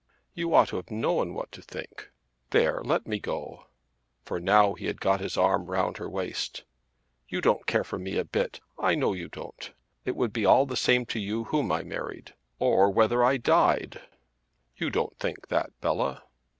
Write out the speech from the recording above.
"You ought to have known what to think. There; let me go," for now he had got his arm round her waist. "You don't care for me a bit. I know you don't. It would be all the same to you whom I married; or whether I died." "You don't think that, Bella?"